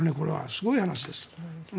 すごい話です。